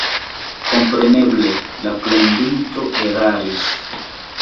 Kompreneble, la plendinto eraris.